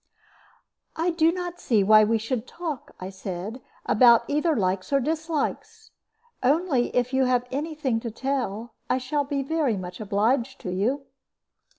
"I do not see why we should talk," I said, "about either likes or dislikes. Only, if you have any thing to tell, I shall be very much obliged to you."